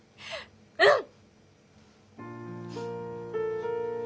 うん！